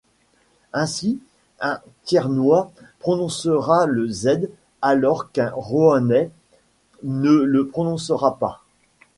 Ainsi un thiernois prononcera le z alors qu'un roannais ne le prononcera pas.